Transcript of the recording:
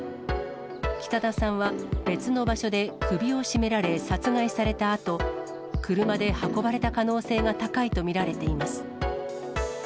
北田さんは、別の場所で首を絞められ殺害されたあと、車で運ばれた可能性が高いと見られています。